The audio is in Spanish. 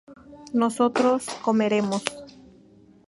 nosotros comeremos